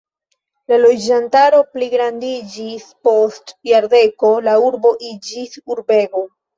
La loĝantaro pligrandiĝis, post jardeko la urbo iĝis urbego.